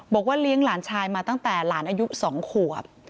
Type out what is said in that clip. บอกว่าเลี้ยงหลานชายมาตั้งแต่หลานอายุสองขวบ